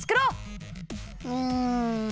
うん。